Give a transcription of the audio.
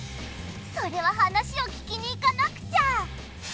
それは話を聞きに行かなくちゃ！